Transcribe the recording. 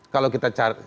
kalau kita cari